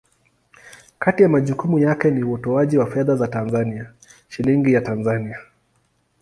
Kati ya majukumu yake ni utoaji wa fedha za Tanzania, Shilingi ya Tanzania.